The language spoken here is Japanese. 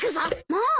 もう？